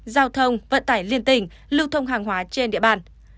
giao thông vận tải liên tỉnh lưu thông hàng hóa trên địa bàn